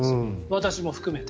私も含めて。